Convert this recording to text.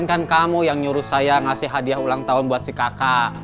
kan kamu yang nyuruh saya ngasih hadiah ulang tahun buat si kakak